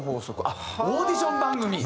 あっオーディション番組？